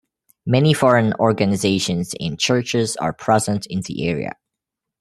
Many foreign organizations and churches are present in the area.